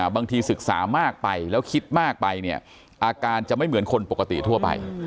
บางทีศึกษามากไปแล้วคิดมากไปเนี่ยอาการจะไม่เหมือนคนปกติทั่วไป